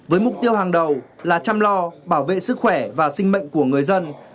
với mục tiêu hàng đầu là chăm lo bảo vệ sức khỏe và sinh mệnh của người dân